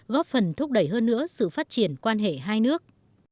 góp phần thúc đẩy hơn nữa sự phát triển quan hệ hai nước